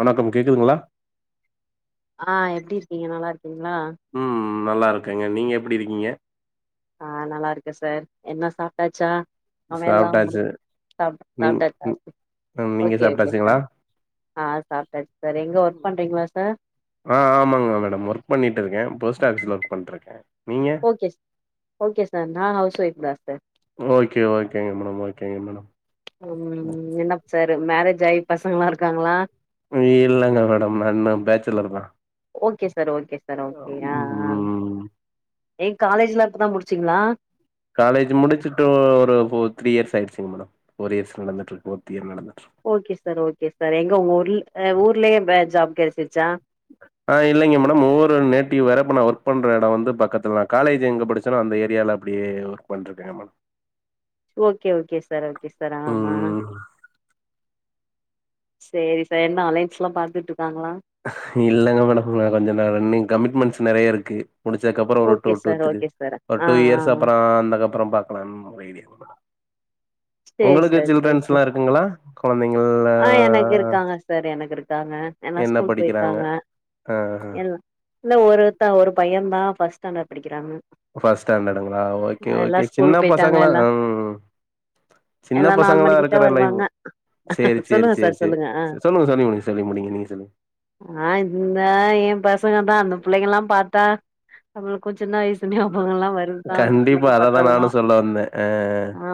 வணக்கம் கேக்குதுங்களா ஆ எப்டி இருக்கீங்க நல்லா இருக்கீங்களா ம் நல்லா இருக்கங்க நீங்க எப்டி இருக்கீங்க ஆ நல்லா இருக்க சார் என்ன சாப்ட்டாச்சா அவ எல்லா முடி சாப்ட்டாச்சு சாப் நீங் ம், சாப்ட்டாச்சா ம், நீங்க ஓகே ஓகே சாப்ட்டாச்சுங்களா சார் ஆ சாப்ட்டாச்சு சார் எங்க ஒர்க் பண்றீங்களா சார் ஆ ஆமாங்க மேடம் ஒர்க் பண்ணிட்டு இருக்க போஸ்ட் ஆஃபீஸ்ல ஒர்க் பண்ட்டு இருக்க நீங்க கே ஓகே சார் நா ஹவுஸ் ஒய்ஃப் தா சார் ஓகே ஓகேங்க மேடம் ஓகேங்க மேடம் ம் என்ன சாரு மேரேஜ் ஆய் பசங்க எல்லா இருக்காங்களா இல்லங்க மேடம் நா இன்னு பேச்சலர் தா okay sir okay sir okay அ அ ம் எயின் காலேஜ்ல்லா இப்பதா முடிச்சிங்களா காலேஜ் முடிச்சுட்டு ஒரு ஃபோர் த்ரீ இயர்ஸ் ஆயிடுச்சிங்க மேடம் ஃபோர் இயர்ஸ் நடந்துட்டு இருக்கு ஃபோர்த் இயர் நடந்துட்டு இருக்கு ஓகே சார் ஓகே சார் எங்க உங்க ஊர்ல ஊர்லயே பேங்க் ஜாப் கிடச்சியிருச்சா ஆ இல்லங்க மேடம் ஊரு நேட்டிவ் வேற நா ஒர்க் பண்ற இட வந்து பக்கத்துல காலேஜ் எங்க படிச்சனோ அந்த ஏரியால அப்டியே ஒர்க் பண்ணிட்டு இருக்கங்க ma'am okay okay sir okay sir ஆ ம் சேரி சார் என்ன அலைன்ஸ் ல்லா பாத்துட்டு இருக்காங்களா இல்லங்க மேடம் கொஞ்சோ ரன்னிங் கமிட்மண்ட்ஸ் நெறைய இருக்கு முடிச்சதுக்கு அப்பற ஒரு okay two two sir three okay sir ஒரு ஆ டூ ஆ இயர்ஸ் ஆ அப்பறோ அந்தக்க அப்பற பாக்கலாம்னு ஒரு ஐடியா சேரி உங்களுக்கு சார் சேரி சில்ட்ரன்ஸ்ல்லா சார் இருக்குங்களா குழந்தைங்கள்லா ஆ எனக்கு இருக்காங்க சார் எனக்கு இருக்காங்க எல்லா என்ன ஸ்கூல் படிக்கிறாங்க போயிருக்காங்க ஆ அ எல்லா இல்ல ஒருத்தா ஒரு பைய தா ஃபர்ஸ்ட் ஸ்டாண்டர்ட் படிக்கிறாங்க ஃப்ஸ்ட் ஸ்டாண்டர்டுங்களா ஓகே எல்லா ஓகே ஸ்கூல் சின்ன போயிட்டாங்க பசங்களா எல்லா சின்ன எல்லா நாலு பசங்களா மணிக்கிட்ட இருக்குற லைவ் வருவாங்க சேரி சேரி சொல்லுங்க சேரி சார் சேரி சொல்லுங்க ஆ சேரி சொல்லுங்க சொல்லி முடிங்க சொல்லி முடியுங்க நீங்க சொல்லு ஆ இந்தா எய பசங்க தா அந்த பிள்ளைங்கல்லா பாத்தா நம்மளுக்கு சீன்ன வயசு ஞாபக எல்லா வரு கண்டிப்பா அததா நானு சொல்ல வந்த அ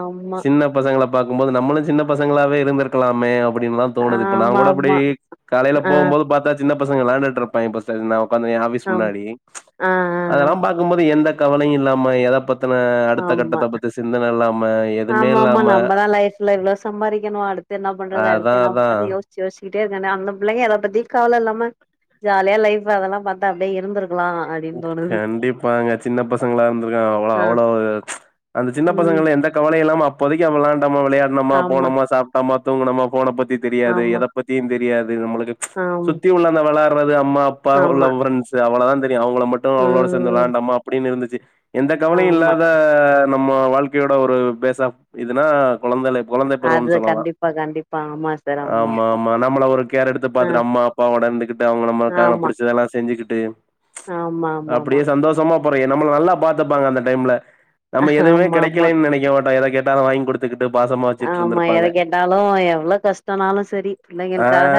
ஆமா சின்ன சின்ன பசங்கள பாக்கும்போது நம்மளு சீன்ன பசங்களாவே இருந்திருக்கலாமே அப் அப்டின்லா தோணுது இப்ப நா ஆமா கூட அப்டி ஆமா காலைல ஆ போம்போது பாத்தா சின்ன பசங்க விளான்டுட் இருப்பாங்கே பஸ் ன உக்காந்து எ ஆஃபீஸ் ஆம் முன்னாடி ஆ ஆ அதெல்லா ஆ. பாத் கும்போது எந்த கவலயு இல்லாம எத பத் தின அடுத்த ஆமா கட்டத்த பத்தி சிந்தன இல்லாம எதுமே இல்லாம இல்ல எவ்ளோ சம்பாதீக்கனோ அடுத்து என்ன பண்றது அதா அடுத்து என்ன அதா பண்றது யோசிச் யோசிச்சிக்கிட்டே இருக்க வேண்டிதா அந்த பிள்ளைங்க எத பத்தியு கவல இல்லாம ஜாலியா லைஃப் அதெல்லா பாத்தா அப்டியே இருந்திருக்லா அ கண்டிப்பாங்க சின்ன பசங்களா இருந்திருக்லா அவ்ளோ ஆ அவ்ளவு அந்த சின்ன ம் பசங்கல்ல எந்த கவலையு இல்லாம அப்போதைக் அவ விளாண்டாமா விளையாட்னோமா ஆமா போனோமா சாப் டோமா தூங்குனோமா போன பத்தி தெரியாது ஆமா எத பத்தியு தெரியாது நம்மளுக் ஆம் சுத்தி உள்ள அந்த விளாட் றது அம்மா அப்பா உள்ள ஆமா ஃப்ரண்ட்ஸ் அவ்ளதா தெரியு அவங்கள மட்டு அவங்களோடு சேந்து ம் விளாண்டோமா அப்டின் இருந்துச்சு எந்த கவலயு ஆமா இல்லாத நம்ம வாழ்க்கையோட ஒரு பேஸ் ஆஃப் இதுனா கொழந்தைல கொழந்தை அது பருவம்னு சொல்லலா கண்டிப்பா கண்டிப்பா ஆமா சார் ஆமா ஆமா நம்மள ஒரு கேர் எடுத்து பாக்குற அம்மா அப்பா ஓட இருந்துகிட்டு அவங்க நம்மளுக்கா நம் ஆமா புடிச்சதெல்லா செஞ்சுகிட்டு ஆமா ஆமா ஆமா அப்டியே சந்தோஷமா போறே நம்மள நல்லா பாத்துப்பாங்க அந்த டைம்ல நம்ம எதுமே ஆமா ஆமா ஆமா கெடைக்கலைன் நெனைக்க மாட்டாங்க எத கேட்டாலு வாங் குடுத்துகிட்டு பாசமா வச்சுட்டு ஆமா எத இருந்திருப்பாங்க. கேட்டாலு எவ்ளோ கஷ்டோனாலு சரி ஆ பிள்ளைகளுக்காக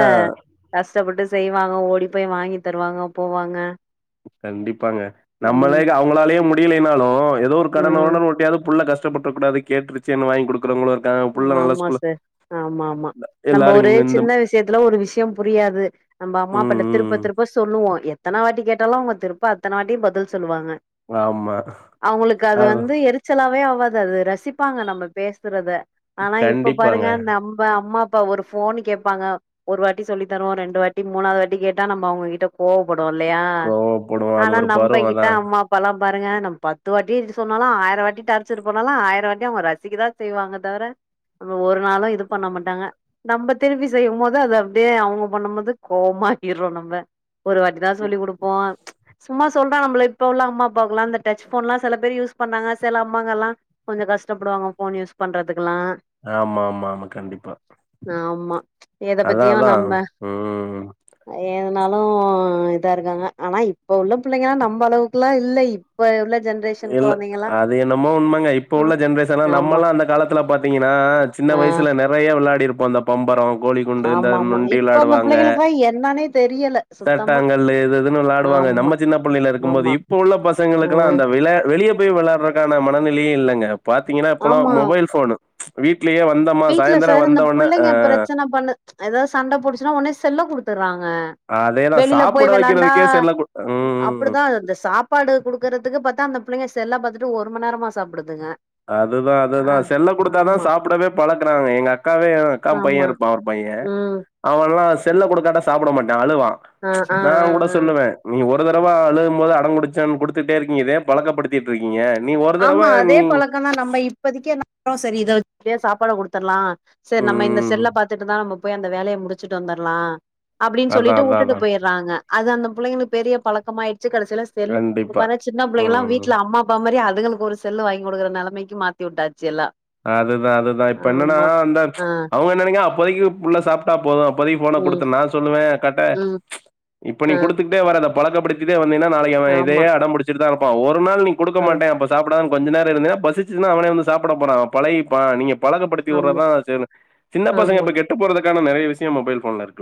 கஷ்டப்பட்டு செய்வாங்க ஓடி போய் வாங்கி தருவாங்க போவாங்க கண்டிப்பாங்க நம்மளே ம் அவங்களாலயே முடியலைனாலு ஏதோ ஒரு கடன ம் ஒடன உருட்டியாவது புள்ள கஷ் கஷ்டபட்ற கூடாது கேட்டுருச்சேன் வாங் குடு க்றவங்களு இருக்கா ஆமா ஆமா சார் ஆமா ஆமா நம்போ எல்லாரும் ஒரு இங்க இந்த சின்ன விஷ்யத்துல ஒரு விஷ்யம் புரியாது நம்ம அம்மாப்பாட்ட ம், திருப்ப ம். திருப் ப சொல்லுவோ எத்தன வாட்டி கேட்டாலு அவங்க திருப்ப அத்தன வாட்டியு பதில் சொல்லுவாங்க ஆமா. அவங்களுக் அது வந்து எரி சலாவே ஆவாது அது ரசிப்பாங்க நம்ம பேசுறத ஆனா இப்ப பாருங்க கண்டிப்பாங்க. நம்ப அம்மா ப ஒரு போன் கேப்பாங்க ஒரு வாட்டி சொல்லி தருவோ ரெண்டு வாட்டி மூனாவது வாட்டி கேட்டா நம்ம அவங்க கிட்ட கோபடுவோ இல்லையா கோவப்படுவோம். அது ஆனா ஒரு நம்ப பருவம் கிட்ட அதான். அம்மா பெல்லா பாருங்க நம் பத்து வாட்டி சொன்னாலு ஆயிரோ வாட்டி டார்ச்சர் பண்ணாலு ஆயிரோ வாட்டி அவங்க ரசிக்கதா செய்வாங்க தவர நம்ம ஒரு நாளு இது பண்ண மாட்டாங்க நம்ப திரும்பி செய்யும் போது அத அப்டியே அவங்க பண்ணும் போது கோவமா ஆகிறோ நம்ம ஒரு வாட்டி தா சொல்லி் குடுப்போ சும்மா சொல்றாங்க நம்ள இப்ப உள்ள அம்மா அப்பாகுலா இந்த டச் போன்லா செல பேரு யூஸ் பண்ணாங்க செல அம்மாங்கல்லா கொஞ்சோ கஷ்டப்படுவாங்க போன் யூஸ் பண்றதுக்குல்லா ஆமா ஆமா ஆமா கண்டிப்பா ஆமா எத அதான், பத்தியு அதான். நம்ம ம். எதனாலு இதா இருக்காங்க ஆனா இப்ப உள்ள பிள்ளைங்கல்லா நம்ம அளவுக்குல்லா இல்லை இப்ப உள்ள ஜென்ரேஷ் இல்ல அது என்னமோ உண்மங்க இப்ப ஆ உள்ள ஜென்ரேஷன்லா ஆமா நம்மல்லா அந்த காலத்துல பாத் தீங்கன்னா சின்ன ஆ வயசுல நெறைய விளாடிருப்போ அந்த பம்பரோ கோழி குண்டு இந்த ஆமா ஆமா நொண்டி இப்ப அந்த விளாடுவாங்க பிள்ளைங்களுக்குலா என்னானே தெரியல தட் சுத்தமா தட்டாங்கல்லு எதோ எதுனு விளாடுவாங்க ஆமா நம்ம சின்ன புள்ளைல இருக்கும்போது ஆமா இப்ப உள்ள பசங்களுக்குல்லா ஆ அந்த விள வெளிய போய் விளாடுறக்கான மனநிலையு இல்லங்க பாத்தீங்கன்னா இப்பலா ஆமா மொபைல் போனு வீட்லயே வந்தோம்மா சாயந்தரோ வந்த ஒட்னே ஆ எதாவ்து சண்ட போட்டுச்சுன்னா உன்னே செல்ல குடுத்துறாங்க அதேதா வெளில சாப்புட போய் வெளாண்டா வைக்கிறதுக்கே செல்ல கு ம் அப்டிதா அந்த சாப் பாடு குடுக்குறதுக்கு பாத்தா அந்த புள்ளைங்க செல்லா பாத்துட்டு ஒரு மண் நேரமா சாப்பிடுதுங்க அதுதா அதுதா செல்ல குடுத்தாதா சாப்படவே பழக்குனாங்க எங்க அக்காவே அக்கா பைய்ய ஆமா இருப்பா ஒரு பைய்யே ம் அவன்ல்லா செல்ல குடுக்காட்ட சாப்பட மாட்டா அழுவா ஆ ஆ நா ஆ கூட ஆ சொல்லுவே நீங்க ஒரு தடவ அழுகும் போது அடம்புடிச்சான் குடுத்துட்டே இருக்கீங்க இதே பழக்கப்படுத் திட்ருக்கீங்க நீ ஒரு தடவ ஆமா அதே நீ பழக்கம் நம்ம இப்பதிக்கு [inaudible] செரி இத வெச் [inaudible] சாப்பாடு குடுத்தடலா சரி நம்ம இந்த ம் செல்ல பாத்துட்டு தா நம்ம போய் அந்த வேலைய முடிச்சுட்டு வந்தர்லா அப்டின் அதா சொல்லிட்டு அதா உட்டுட்டு அதா போயிறாங்க அது அந்த புள்ளைளுக்கு பெரிய பழக்கமாயிடுச்சு கடைசிலா செல்லு இப்ப கண்டிப்பா பாரு சின்ன புள்ளைங்கல்லா ம் வீட்ல அம்மா அப்பா மாரி அதுகளுக்கு ஒரு செல்லு வாங்கி குடுக்கற நெலைமைக்கு மாத்தி உட்டாச்சு எல்லா அதுதா அதுதா இப்ப என்னன்னா அந்த ஆ அவுங்க என்ன நெனைக்க அப்போதைக்கு புள்ள சாப் ட்டா போது இப்போதைக்கு போன ம் குடுத்த நா சொல்லுவே கட்ட ம் இப்ப நீ ஆ குடுத்துக்கிட்டே வர அந்த பழக்கப்படு த்திட்டே வந்தீனா நாளைக்கு அவ இதே ஆமா அடம் புடிச்சிட்டு தா இருப்பா ஒரு நாள் நீ குடுக்க ஆ மாட்டே அப்ப சாப்படாம கொஞ்ச நேர இருந்தினா பசிச்துனா அவனே வந்து சாப்பிட போறா பழயிப்பா நீங்க பழகப்படுத்தி உட்ற ஆமா தா செய்னு சின்ன பசங்க ஆமா இப்ப கெட்டு போறதுற்கான நெறைய விஷயம் மொபைல் ஃபோன் இருக்கு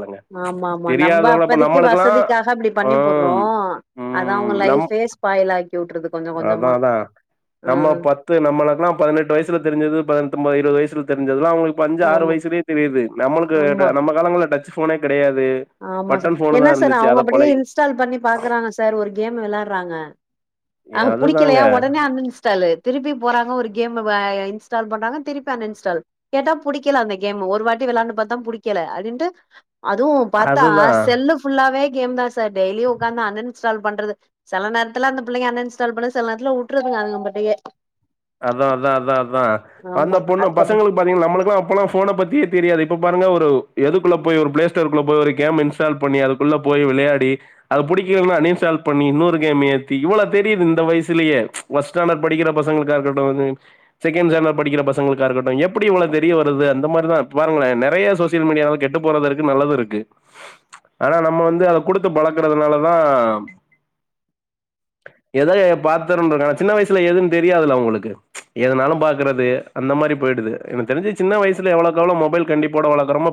ஆமாமா நம்ம அப்பதைக்கி நம்மளுக்கெல்லாம் வசதிக்காக அப்டி பண்ணி போட்றோ ஆம் அதா அவுங்க லைஃபே ஸ் பாய்லாக்கி உட்டுறது அதா அதா நம்ம பா த்து நம்மளுக்கெல்லா பதனெட்டு வய்சுல தெரிஞ்சது பதினெட்டு [unintelligible] இருவது வய்சுல தெரிஞ்சதுலா அவுங்ளுக் இப்ப அஞ்சு ஆறு ஆமா வயசுலயே தெரியிது நம்மளுக்கு ஆமா [unintelligible] நம்ம காலங்கள்ல டச் ஃபோனே கெடையாது ஆமா சார் பட்டன் ஃபோனு என்ன தான் சார் இருந்துச்சு அவுங்க அத அப்டியே பழகி இன்ஸ்டால் பண்ணி பாக்குறாங்க சார் ஒரு கேம் வெளாட்றாங்க அங் அதுதாங்க புடிக்கலையா உடனே அன்இன்ஸ்டாலு திருப்பி போறாங்க ஒரு கேமுவே இன்ஸ்டால் பண்றாங்க திருப்பி அன் இன்ஸ்டால் கேட்டா புடிக்கல அந்த கேம் ஒரு வாட்டி வெளாண்டு பாத்தா புடிக்கல அப்டின்ட்டு அதுவு பாத்தா அதுதான் செல்லு ஃபுல்லாவே கேம் தா சார் டெய்லியு உக்காந்து அன் இன்ஸ்டால் பண்றது செல நேர்த்துல அந்த பிள்ளைங்க அன் இன்ஸ்டால் பண்ணுது செல நேர்த்துல உட்ருங்க அதுங்க அப்டியே அதா அதா அதா அதா அந்த ஆமா பொண்ணு அதுக்கப் பசங்களுக்கு பாத்திங்னா நம்மளுக்கெல்லா அப்பல்லா ஃபோன பத்தியே தெரியாது இப்ப பாருங்க ஒரு எதுக்குள்ள போய் ஒரு ப்ளே ஸ்டோருக்குள்ள போய் ஒரு கேம் இன்ஸ் டால் பண்ணி அதுக்குள்ள போய் விளையாடி அது புடிக்கலனா அன்இன்ஸ்டால் பண்ணி இன்னோரு கேம் ஏத்தி இவ்ளோ தெரிது இந்த வய்சிலேயே ஃபஸ்ட் ஸ்டாண்டட் படிக்கிற பசங்களுக்கு இதா இருக்கட்டு வந்து செகண்ட் ஸ்டாண்டட் படிக்கிற பசங்களுகாருக்கட்டு எப்டி இவ்ளோ தெரிய வருது அந்த மாரிதா பாருங்களே நெறையா சோசியல் மீடியாவ கெட்டு போறது இர்கு நல்லது இருக்கு ஆனா நம்ம வந்து அத குடுத்து பழக்கறதுனாலதா எதயோ பாத்திருந்துகா ஆனா சின்ன வயசுல எதுன் தெரியாதுல அவுங்களுக்கு எதனாலு பாக்குறது அந்த மாரி போயிடுது எனக்கு தெரிஞ்சு சின்ன வயசுல எவ்ளோக் எவ்ளோ மொபைல் கண்டிப்போட வளக்கரமோ